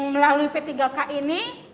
melalui p tiga k ini